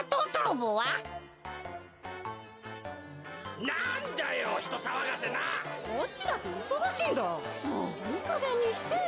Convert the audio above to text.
もういいかげんにしてよ。